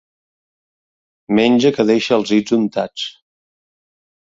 Menja que deixa els dits untats.